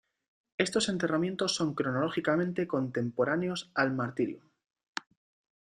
Estos enterramientos son cronológicamente contemporáneos al martyrium.